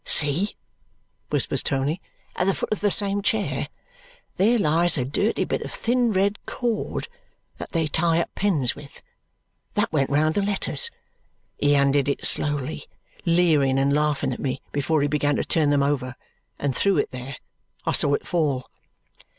"See!" whispers Tony. "At the foot of the same chair there lies a dirty bit of thin red cord that they tie up pens with. That went round the letters. He undid it slowly, leering and laughing at me, before he began to turn them over, and threw it there. I saw it fall."